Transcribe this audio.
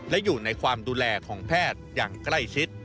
และอยู่ในความดูแลของแพทย์อย่างใกล้ชิด